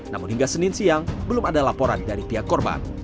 namun hingga senin siang belum ada laporan dari pihak korban